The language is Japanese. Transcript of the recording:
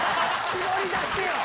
絞り出してよ